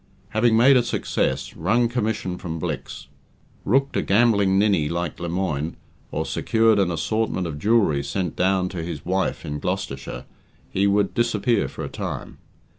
Having made a success, wrung commission from Blicks, rooked a gambling ninny like Lemoine, or secured an assortment of jewellery sent down to his "wife" in Gloucestershire, he would disappear for a time.